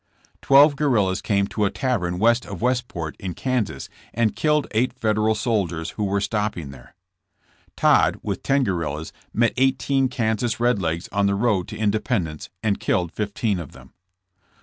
Twelve guerrillas came to a tavern west of "VYestport, in Kansas, and killed eight Federal soldiers who were stopping there. Todd, with ten guerrillas, met eighteen Kansas Red Legs on the road to Independence, and killed fifteen of them.